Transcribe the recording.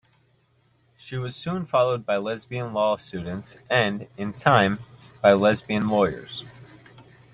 She was soon followed by lesbian law students and, in time, by lesbian lawyers.